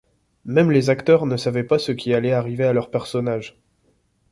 Même les acteurs ne savaient pas ce qui allait arriver à leurs personnages.